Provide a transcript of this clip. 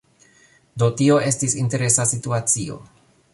Do, tio estis interesa situacio.